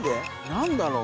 何だろう？